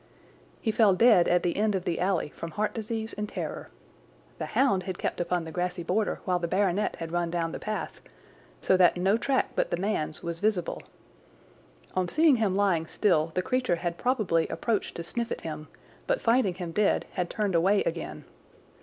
He fell dead at the end of the alley from heart disease and terror. The hound had kept upon the grassy border while the baronet had run down the path, so that no track but the man's was visible. On seeing him lying still the creature had probably approached to sniff at him, but finding him dead had turned away again.